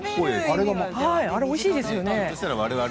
あれ、おいしいですよね。